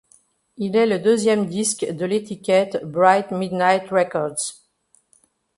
Il est le deuxième disque de l'étiquette Bright Midnight Records.